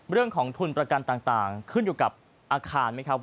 เรื่องของทุนประกันต่างขึ้นอยู่กับอาคารไหมครับ